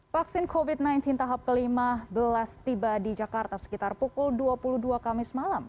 vaksin covid sembilan belas tahap ke lima belas tiba di jakarta sekitar pukul dua puluh dua kamis malam